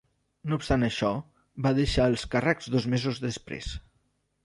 No obstant això, va deixar el càrrec dos mesos després.